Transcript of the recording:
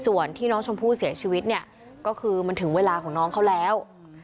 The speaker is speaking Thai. ส่วนที่น้องชมพู่เสียชีวิตเนี่ยก็คือมันถึงเวลาของน้องเขาแล้ว